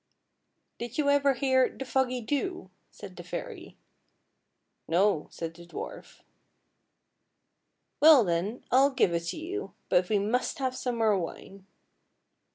" Did you ever hear the ' Foggy Dew '?" said the fairy. " No," said the dwarf. " Well, then, I'll give it to you ; but we must have some more wine."